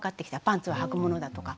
パンツははくものだとか。